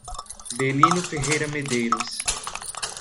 Belino Ferreira Medeiros